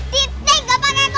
titik nggak pakai koma